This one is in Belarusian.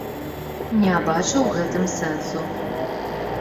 Не бачу ў гэтым сэнсу.